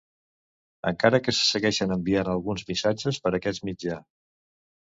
Encara que se segueixen enviant alguns missatges per aquest mitjà.